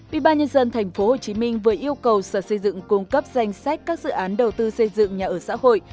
bị ba nhân dân tp hcm vừa yêu cầu sở xây dựng cung cấp danh sách các dự án đầu tư xây dựng nhà ở xã hội